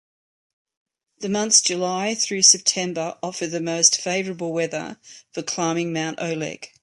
The months July through September offer the most favorable weather for climbing Mount Oleg.